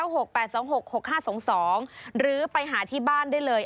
หรือไปหาที่บ้านได้เลย